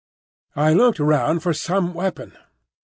I looked round for some weapon.